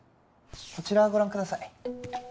こちらをご覧ください